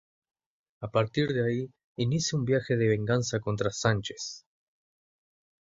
A partir de ahí inicia un viaje de venganza contra Sánchez.